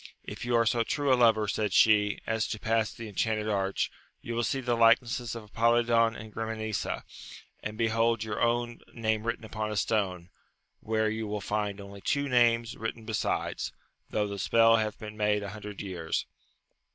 If you are so true a lover, said she, as to pass the enchanted arch, you will see the likenesses of Apolidon and Grimanesa, and behold your own name written upon a stone, where you will find only two names written besides, though the spell hath been made an hundred years.